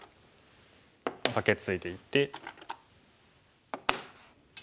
カケツイでいて。